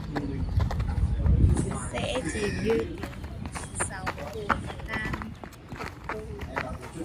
Sẽ chìm như tiếng sóng buồn tan